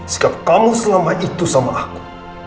sikap kamu selama itu sama aku